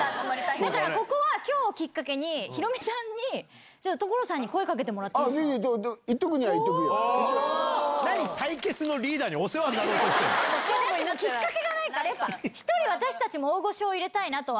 だから、ここはきょうをきっかけに、ヒロミさんに、ちょっと、所さんに声かけてもらっていいでいいよ、何、対決のリーダーにお世話きっかけがないから、一人、私たちも大御所を入れたいなとは。